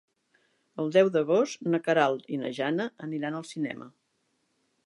El deu d'agost na Queralt i na Jana aniran al cinema.